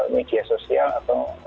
media sosial atau